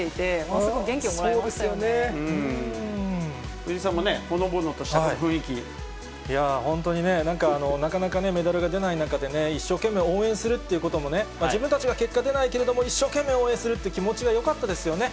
藤井さんもね、ほのぼのとしいやぁ、本当にね、なんかなかなかメダルが出ない中でね、一生懸命応援するということもね、自分たちは結果出ないけれども、一生懸命応援するっていう気持ちがよかったですよね。